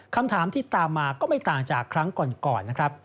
คำถามที่ตามมาก็ไม่ต่างจากครั้งก่อนนะครับ